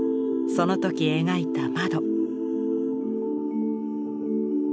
その時描いた窓。